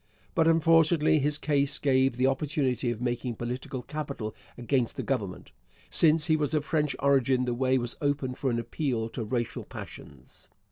But, unfortunately, his case gave the opportunity of making political capital against the Government. Since he was of French origin the way was open for an appeal to racial passions.